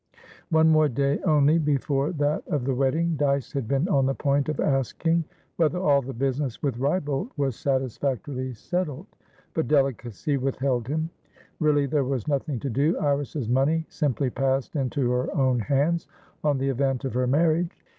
One more day only before that of the wedding. Dyce had been on the point of asking whether all the business with Wrybolt was satisfactorily settled; but delicacy withheld him. Really, there was nothing to do; Iris's money simply passed into her own hands on the event of her marriage.